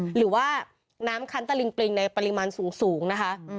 หรือว่าน้ำคันตะลิงปริงในปริมาณสูงนะคะ